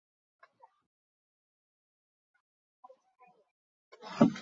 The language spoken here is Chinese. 达怀县是越南林同省下辖的一个县。